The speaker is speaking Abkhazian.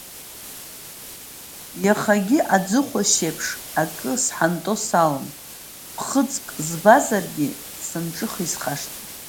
Иахагьы, аӡыхуашь еиԥш акы сҳанто салан, ԥхыӡк збазаргьы санҿыха исхашҭит.